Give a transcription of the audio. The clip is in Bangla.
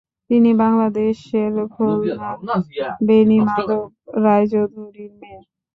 তিনি বাংলাদেশের খুলনার বেণীমাধব রায়চৌধুরীর মেয়ে।